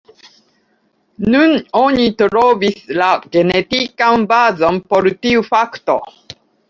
Nun oni trovis la genetikan bazon por tiu fakto.